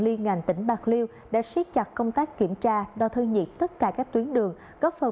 liên ngành tỉnh bạc liêu đã siết chặt công tác kiểm tra đo thân nhiệt tất cả các tuyến đường góp phần